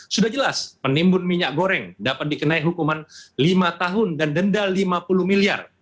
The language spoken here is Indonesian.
sudah jelas penimbun minyak goreng dapat dikenai hukuman lima tahun dan denda lima puluh miliar